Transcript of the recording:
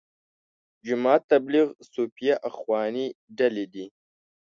جماعت تبلیغ، صوفیه، اخواني ډلې دي.